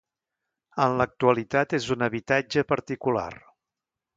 En l'actualitat és un habitatge particular.